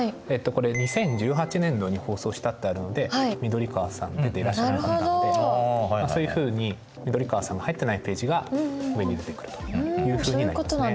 これ「２０１８年度に放送した」ってあるので緑川さん出ていらっしゃらなかったのでそういうふうに緑川さんの入ってないページが上に出てくるというふうになりますね。